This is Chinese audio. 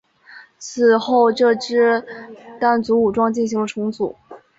此后这支掸族武装进行了重组。